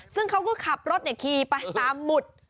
ซึ่งเขาก็ขับรถขี่ไปตามหมุด